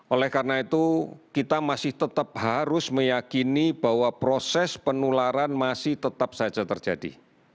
oleh karena itu kita masih tetap harus meyakini bahwa proses penularan masih tetap saja terjadi